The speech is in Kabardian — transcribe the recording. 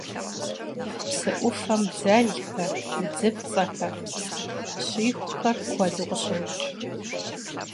Psı 'ufem dzelxer, yêç'epts'exer, şixuxer kuedu khışoç'.